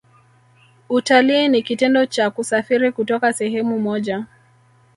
Utalii ni kitendo cha kusafiri kutoka sehemu moja